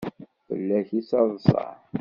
Fell-ak i ttaḍsan.